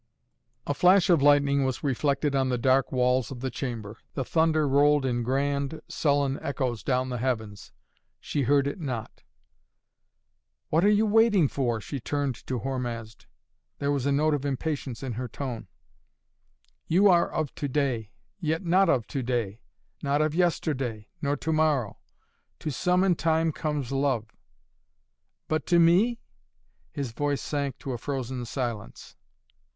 A flash of lightning was reflected on the dark walls of the chamber. The thunder rolled in grand sullen echoes down the heavens. She heard it not. "What are you waiting for?" she turned to Hormazd. There was a note of impatience in her tone. "You are of to day yet not of to day! Not of yesterday, nor to morrow. To some in time comes love " "But to me?" His voice sank to a frozen silence.